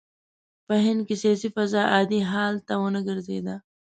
په هند کې سیاسي فضا عادي حال ته ونه ګرځېده.